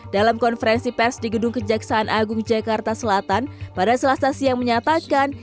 dalam konferensi pers di gedung kejaksaan agung jakarta selatan pada selasa siang menyatakan